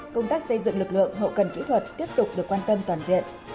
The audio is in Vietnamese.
công tác xây dựng lực lượng hậu cần kỹ thuật tiếp tục được quan tâm toàn diện